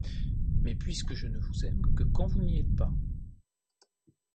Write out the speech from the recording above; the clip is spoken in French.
Mais puisque je ne vous aime que quand vous n’y êtes pas !